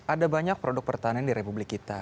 ada banyak produk pertanian di republik kita